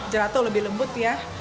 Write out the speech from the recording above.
gelato lebih lembut ya